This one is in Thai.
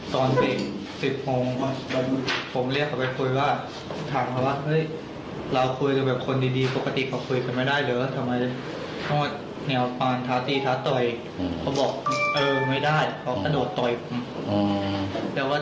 ตอนเปร่งสิ้นถ้องผมเรียกเขาไปคุยว่า